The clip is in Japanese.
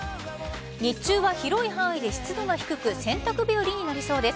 日中は広い範囲で湿度が低く洗濯日和になりそうです。